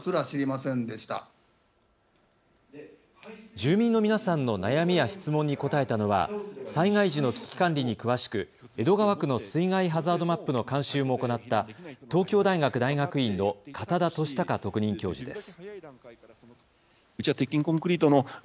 住民の皆さんの悩みや質問に答えたのは災害時の危機管理に詳しく江戸川区の水害ハザードマップの監修も行った東京大学大学院の片田敏孝特任教授です。